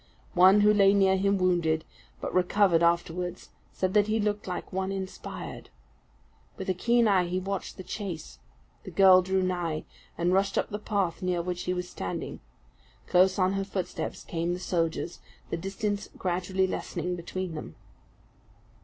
One who lay near him wounded, but recovered afterwards, said that he looked like one inspired. With a keen eye he watched the chase. The girl drew nigh; and rushed up the path near which he was standing. Close on her footsteps came the soldiers, the distance gradually lessening between them.